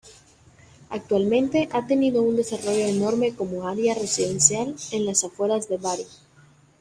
Actualmente ha tenido un desarrollo enorme como area residencial en las afueras de Bari.